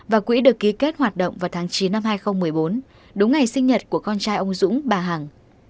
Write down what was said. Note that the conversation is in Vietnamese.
và quỹ được ký kết hoạt động vào tháng chín năm hai nghìn một mươi bốn đúng ngày sinh nhật của con trai ông dũng bà hằng